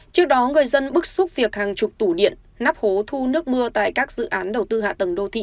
trước đó người dân bức xúc việc hàng chục tủ điện nắp hố thu nước mưa tại các dự án đầu tư hạ tầng đô thị